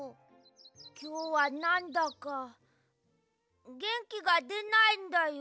きょうはなんだかげんきがでないんだよ。